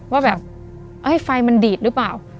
ว่าแบบไฟมันดีดหรือเปล่า